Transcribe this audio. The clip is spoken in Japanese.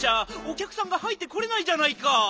きゃくさんが入ってこれないじゃないか。